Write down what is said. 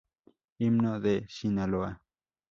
Himno de Sinaloa